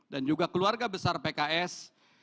dan juga keluarga besar pks